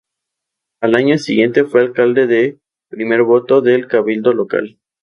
Al año siguiente fue alcalde de primer voto del cabildo local.